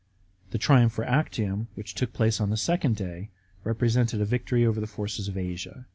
The triumph for Actium, which took place on the second day, represented a victory over the forces of Asia.